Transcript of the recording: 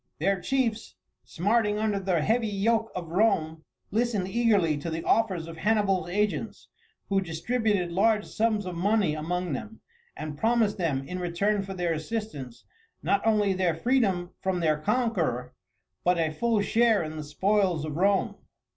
Their chiefs, smarting under the heavy yoke of Rome, listened eagerly to the offers of Hannibal's agents, who distributed large sums of money among them, and promised them, in return for their assistance, not only their freedom from their conqueror, but a full share in the spoils of Rome.